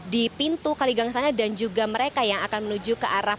di pintu kaligang sana dan juga mereka yang akan menuju ke arah